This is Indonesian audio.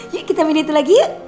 yuk kita milih itu lagi yuk